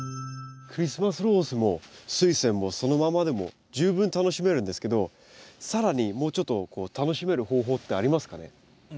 クリスマスローズもスイセンもそのままでも十分楽しめるんですけど更にもうちょっと楽しめる方法ってありますかね？